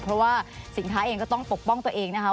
เพราะว่าสินค้าเองก็ต้องปกป้องตัวเองนะคะ